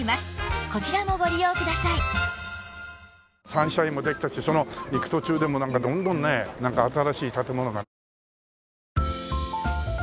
サンシャインもできたし行く途中でもどんどんね新しい建物が。